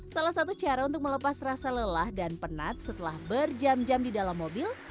salah satu cara untuk melepas rasa lelah dan penat setelah berjam jam di dalam mobil